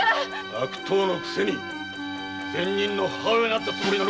悪党のくせに善人の母親になったつもりなのか！